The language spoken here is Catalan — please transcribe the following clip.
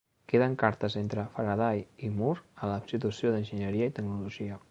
Queden cartes entre Faraday i Moore a la Institució d'Enginyeria i Tecnologia.